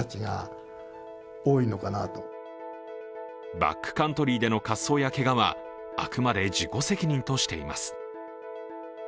バックカントリーでの滑走やけがは、あくまで自己責任としています。